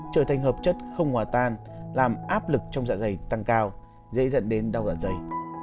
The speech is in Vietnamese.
trở thành hợp chất không hòa tan làm áp lực trong dạ dày tăng cao dễ dẫn đến đau dạ dày